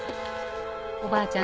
おばあちゃん